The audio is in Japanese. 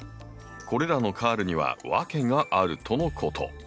これらのカールには訳があるとのこと。